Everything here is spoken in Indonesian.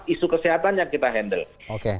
isu kesehatan yang kita handle